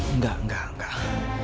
enggak enggak enggak